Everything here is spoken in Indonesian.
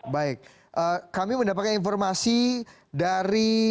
baik kami mendapatkan informasi dari